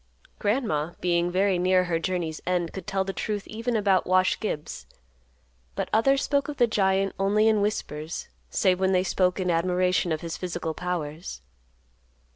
Grandma, being very near her journey's end, could tell the truth even about Wash Gibbs, but others spoke of the giant only in whispers, save when they spoke in admiration of his physical powers.